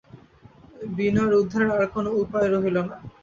বিনয়ের উদ্ধারের আর কোনো উপায় রহিল না।